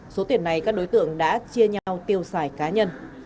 số tiền này các đối tượng đã chia nhau tiêu xài cá nhân